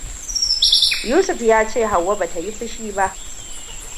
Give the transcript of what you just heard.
Yusuf ya ce Hauwa ba ta yi fushi ba.